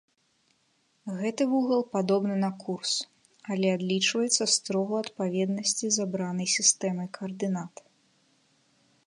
Гэты вугал падобны на курс, але адлічваецца строга ў адпаведнасці з абранай сістэмай каардынат.